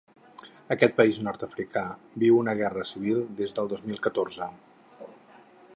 Aquest país nord-africà viu una guerra civil des del dos mil catorze.